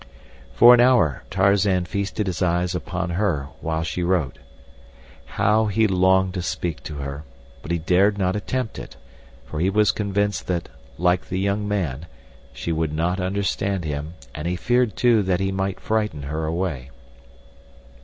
For an hour Tarzan feasted his eyes upon her while she wrote. How he longed to speak to her, but he dared not attempt it, for he was convinced that, like the young man, she would not understand him, and he feared, too, that he might frighten her away.